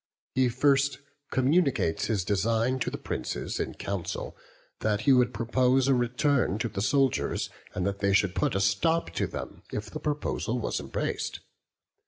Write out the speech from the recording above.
He first communicates his design to the princes in council that he would propose a return to the soldiers, and that they should put a stop to them if the proposal was embraced.